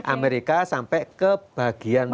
amerika sampai ke bagian